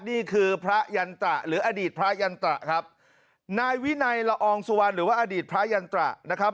นี่คือพระยันตระหรืออดีตพระยันตระครับนายวินัยละอองสุวรรณหรือว่าอดีตพระยันตระนะครับ